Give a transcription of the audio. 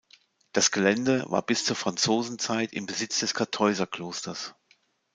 Das Gelände war bis zur Franzosenzeit im Besitz des Kartäuserklosters.